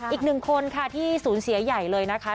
อีกหนึ่งคนค่ะที่สูญเสียใหญ่เลยนะคะ